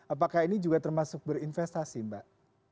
apakah ini juga termasuk berinvestasi mbak